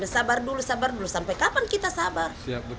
sabar dulu sabar dulu sampai kapan kita sabar